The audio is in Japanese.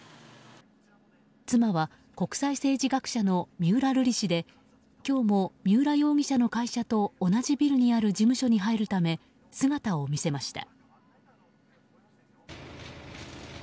妻は国際政治学者の三浦瑠麗氏で今日も三浦容疑者の会社と同じビルにある事務所に入るため姿を見せました。